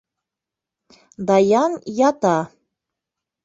Даян ята.